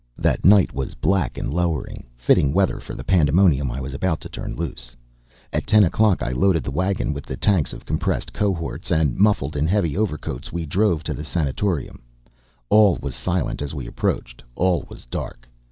That night was black and lowering, fitting weather for the pandemonium I was about to turn loose. At ten o'clock, I loaded a wagon with the tanks of compressed cohorts, and, muffled in heavy overcoats, we drove to the sanatorium. All was silent as we approached; all was dark.